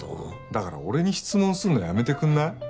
だから俺に質問するのやめてくれない？